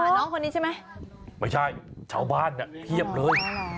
น้องคนนี้ใช่ไหมไม่ใช่ชาวบ้านเนี่ยเพียบเลย